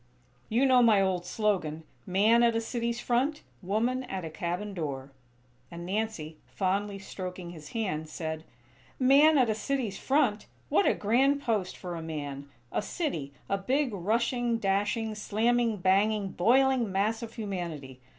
You know my old slogan: 'Man at a city's front; woman at a cabin door.'" And Nancy, fondly stroking his hand, said: "Man at a city's front! What a grand post for a man! A city, a big, rushing, dashing, slamming, banging, boiling mass of humanity!